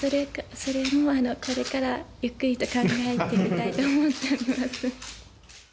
それも、これからゆっくりと考えてみたいと思っております。